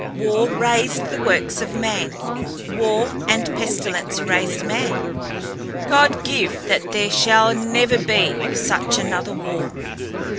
War razed the works of man—war and pestilence razed man. God give that there shall never be such another war!"